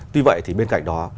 tuy vậy bên cạnh đó